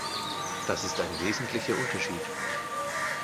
Das ist ein wesentlicher Unterschied.